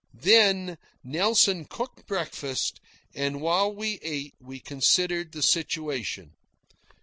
Then Nelson cooked breakfast, and while we ate we considered the situation.